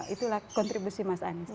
itulah kontribusi mas anies